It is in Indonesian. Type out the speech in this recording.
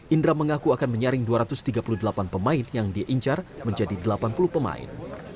indra mengaku akan menyaring dua ratus tiga puluh delapan pemain yang diincar menjadi delapan puluh pemain